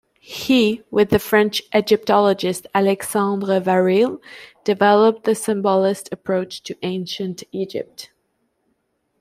He, with the French egypologist Alexandre Varille, developed the symbolist approach to ancient Egypt.